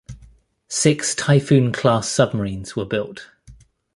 Six Typhoon-class submarines were built.